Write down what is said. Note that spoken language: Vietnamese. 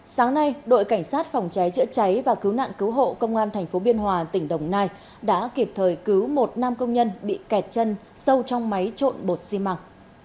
sáng nay đội cảnh sát phòng cháy chữa cháy và cứu nạn cứu hộ công an tp biên hòa tỉnh đồng nai đã kịp thời cứu một nam công nhân bị kẹt chân sâu trong máy trộn bột xi măng